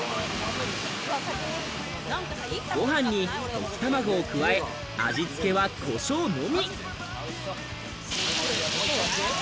ご飯に溶き卵を加え、味付けはコショウのみ。